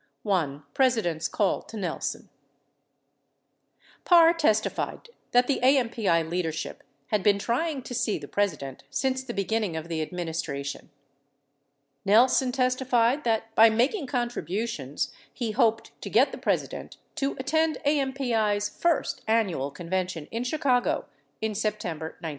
l. president's call to nelson Parr testified that the AMPI leadership had been trying to see the President since the beginning of the administration. 49 Nelson testified that by making contributions, he hoped to get the President to attend AMPl's first annual convention in Chicago in September 1970.